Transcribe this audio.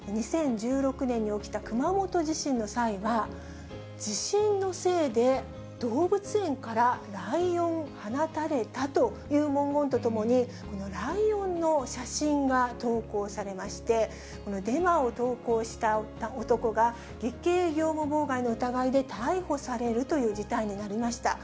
２０１６年に起きた熊本地震の際は、地震のせいで動物園からライオン放たれたという文言とともに、このライオンの写真が投稿されまして、このデマを投稿した男が、偽計業務妨害の疑いで逮捕されるという事態になりました。